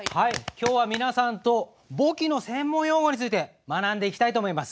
今日は皆さんと簿記の専門用語について学んでいきたいと思います。